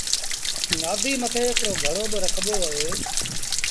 نآديٚ مٿي هڪڙو گھڙو با رکبو اهي۔